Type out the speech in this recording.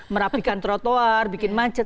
merapikan trotoar bikin mancat